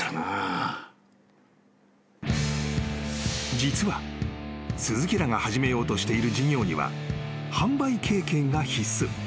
［実は鈴木らが始めようとしている事業には販売経験が必須］